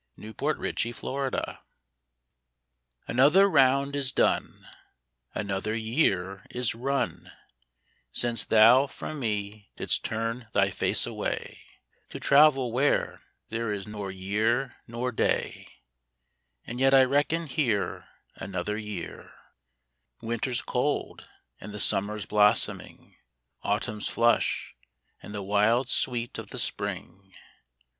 48 XTbe feat's iRounfc A NOTHER round is done, Another year is run, Since thou from me didst turn thy face away To travel where there is nor year nor day; And yet I reckon here Another year, Winter's cold and the Summer's blossoming, Autumn's flush and the wild sweet of the Spring.